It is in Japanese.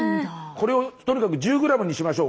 これをとにかく１０ｇにしましょう。